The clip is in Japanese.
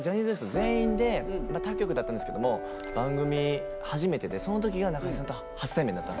全員で他局だったんですけども番組初めてでその時が中居さんと初対面だったんですよ。